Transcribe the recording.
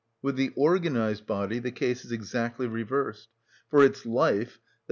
With the organised body the case is exactly reversed; for its life, _i.